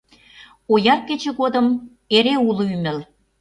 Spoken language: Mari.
Ояр кече годым эре уло ӱмыл.